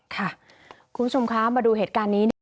ค่ะคุณสุมคะมาดูเหตุการณ์นี้